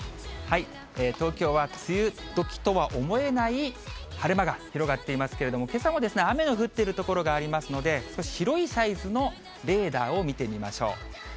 東京は梅雨時とは思えない晴れ間が広がっていますけれども、けさも雨の降っている所がありますので、少し広いサイズのレーダーを見てみましょう。